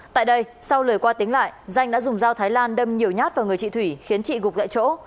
tại đây sau lời qua tính lại danh đã dùng dao thái lan đâm nhiều nhát vào người chị thủy khiến chị gục gậy chỗ